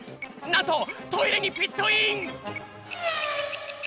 なんとトイレにピットイン！